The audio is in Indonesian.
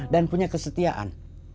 dan punya kesetiaan